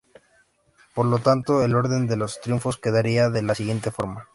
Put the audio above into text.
Por lo tanto, el orden de los triunfos quedaría de la siguiente forma.